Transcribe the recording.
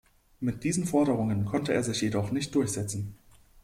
Mit diesen Forderungen konnte er sich jedoch nicht durchsetzen.